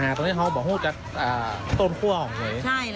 อ๋อปัญหาตรงนี้เขาบอกฮืดจากต้นคั่วเหมือนกัน